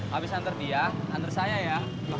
habis antar dia antar saya ya